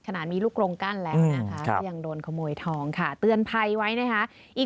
ขนาดมีลูกโรงกั้นแล้วนะคะก็ยังโดนขโมยทองค่ะเตือนภัยไว้นะคะอีก